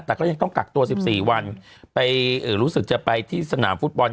แต่ก็ยังต้องกักตัว๑๔วันไปรู้สึกจะไปที่สนามฟุตบอล